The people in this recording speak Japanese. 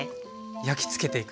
焼きつけていく。